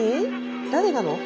誰なの？